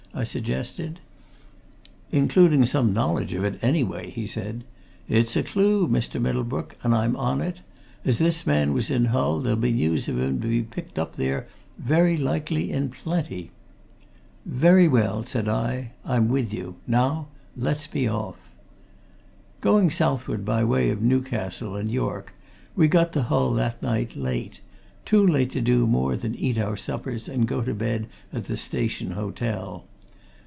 I suggested. "Including some knowledge of it, anyway," he said. "It's a clue, Mr. Middlebrook, and I'm on it. As this man was in Hull, there'll be news of him to be picked up there very likely in plenty." "Very well," said I. "I'm with you. Now let's be off." Going southward by way of Newcastle and York, we got to Hull that night, late too late to do more than eat our suppers and go to bed at the Station Hotel.